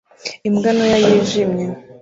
Imbwa ntoya yijimye